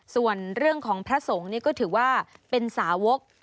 ส่วนเรื่องของพระสงฆ์นี่ก็ถือว่าเป็นสาวก